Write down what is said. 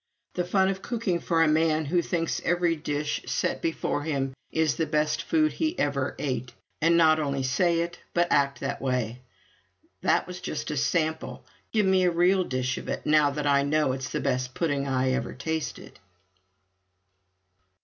The fun of cooking for a man who thinks every dish set before him is the best food he ever ate and not only say it, but act that way. ("That was just a sample. Give me a real dish of it, now that I know it's the best pudding I ever tasted!")